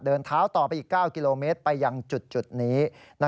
เดินเท้าต่อไปอีก๙กิโลเมตรไปยังจุดนี้